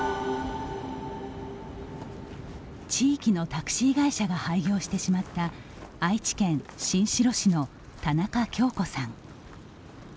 地域のタクシー会社が廃業してしまった愛知県新城市の田中恭子さん。